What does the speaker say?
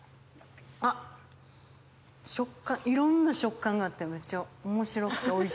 あいろんな食感があってめちゃ面白くておいしいです。